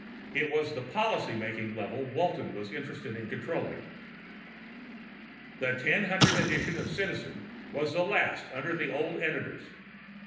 It was the policy making level Walton was interested in controlling. The 1000 edition of Citizen was the last under the old editors.